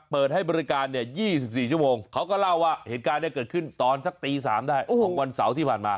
เปิดให้บริการ๒๔ชั่วโมงเขาก็เล่าว่าเหตุการณ์นี้เกิดขึ้นตอนสักตี๓ได้ของวันเสาร์ที่ผ่านมา